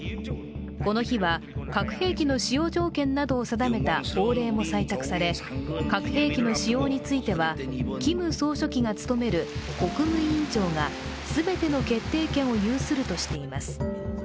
この日は、核兵器の使用条件などを定めた法令も採択され核兵器の使用については、キム総書記が務める国務委員長が全ての決定権を有するとしています。